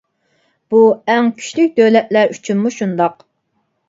بۇ ئەڭ كۈچلۈك دۆلەتلەر ئۈچۈنمۇ شۇنداق.